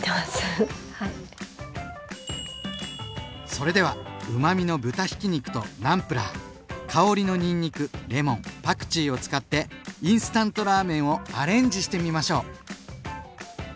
それではうまみの豚ひき肉とナムプラー香りのにんにくレモンパクチーを使ってインスタントラーメンをアレンジしてみましょう！